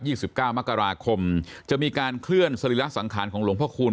สิบเก้ามกราคมจะมีการเคลื่อนสรีระสังขารของหลวงพระคูณ